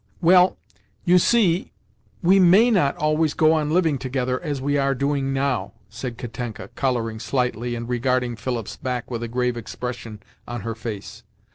"Well, you see, we may not always go on living together as we are doing now," said Katenka, colouring slightly, and regarding Philip's back with a grave expression on her face.